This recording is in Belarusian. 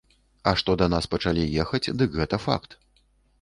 А што да нас пачалі ехаць, дык гэта факт.